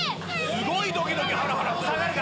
すごいドキドキハラハラする。